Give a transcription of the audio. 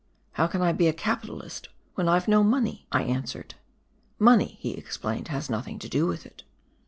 "How can I be a capitalist when I've no money?" I answered. "Money," he explained, "has nothing to do with it."